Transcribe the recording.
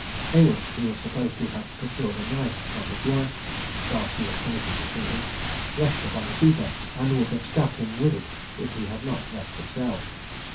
Haywood, who was supposed to have procured a knife from his wife, while she was permitted to see him, rushed upon the keeper, and would have stabbed him with it if he had not left the cell.